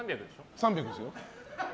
３００ですよ。